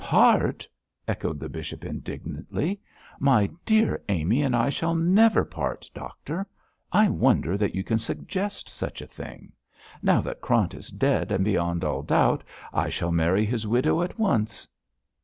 'Part!' echoed the bishop, indignantly. 'My dear Amy and I shall never part, doctor. I wonder that you can suggest such a thing. Now that Krant is dead beyond all doubt, I shall marry his widow at once.'